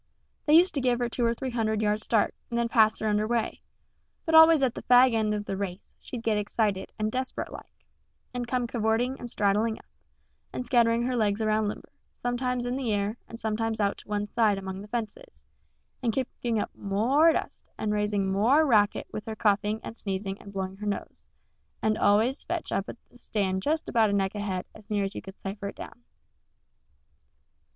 They used to give her two or three hundred yards start, and then pass her under way; but always at the fag end of the race she'd get excited and desperate like, and come cavorting and straddling up, and scattering her legs around limber, sometimes in the air and sometimes out to one side among the fences, and kicking up m o r e dust and raising m o r e racket with her coughing and sneezing and blowing her nose and always fetch up at the stand just about a neck ahead, as near as you could cipher it down.